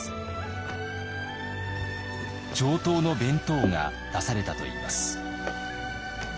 上等の弁当が出されたといいます。